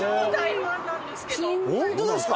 本当ですか？